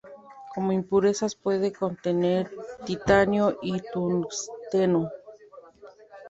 Como impurezas puede contener titanio y tungsteno.